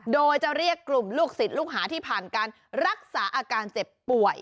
โดยจะเรียกกลุ่มลูกศิษย์ลูกหาที่ผ่านการรักษาอาการเจ็บป่วย